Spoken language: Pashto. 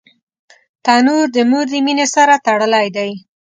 تنور د مور د مینې سره تړلی دی